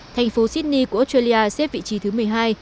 thành phố sydney của australia xếp vị trí thứ ba